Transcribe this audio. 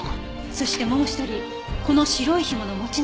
そしてもう一人この白いひもの持ち主がいた。